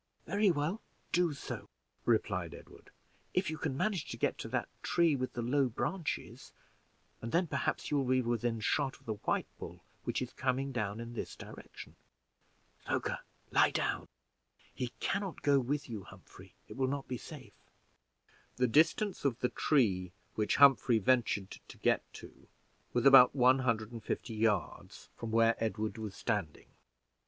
"Very well, do so," replied Edward: "if you can manage, get to that tree with the low branches, and then perhaps you will be within shot of the white bull, which is coming down in this direction. Smoker, lie down! He can not go with you, Humphrey; it will not be safe." The distance of the tree which Humphrey ventured to get to was one about one hundred and fifty yards from where Edward was standing.